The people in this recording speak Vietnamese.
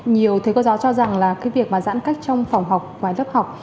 nhiều thầy cô giáo cho rằng là cái việc mà giãn cách trong phòng học ngoài lớp học